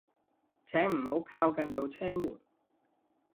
請唔好靠近度車門